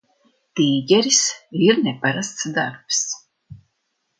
"Tīģeris" ir neparasts darbs.